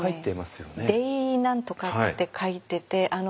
ｄａｙ何とかって書いてて。